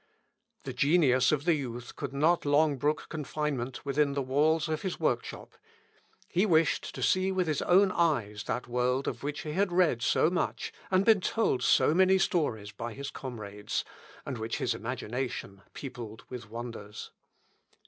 The genius of the youth could not long brook confinement within the walls of his workshop. He wished to see with his own eyes that world of which he had read so much, and been told so many stories by his comrades, and which his imagination peopled with wonders.